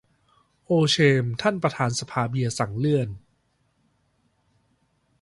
โอเชม ท่านประธานสภาเบียร์สั่งเลื่อน